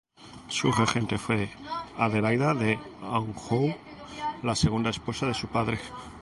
Su regente fue Adelaida de Anjou, la segunda esposa de su padre.